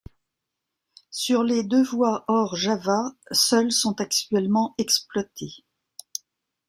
Sur les de voies hors Java, seuls sont actuellement exploités.